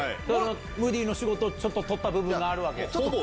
ムーディの仕事をちょっと取った部分があるわけ？